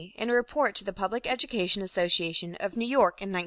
in a report to the Public Education Association of New York in 1911.